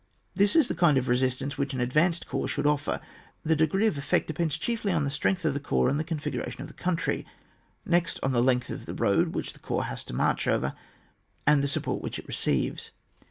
This is the kind of resistance which an advanced corps should offer. The degree of effect depends chiefly on the strength of the corps, and the configu ration of the country ; next on the length of the road which the corps has to march over, and the support which it receives.